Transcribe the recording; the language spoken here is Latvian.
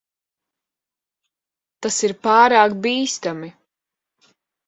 Tas ir pārāk bīstami.